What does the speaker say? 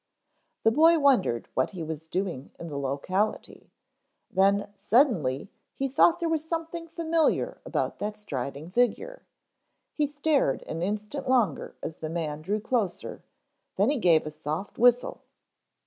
The boy wondered what he was doing in the locality, then suddenly he thought there was something familiar about that striding figure. He stared an instant longer as the man drew closer, then he gave a soft whistle.